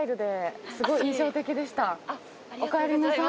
おかえりなさい。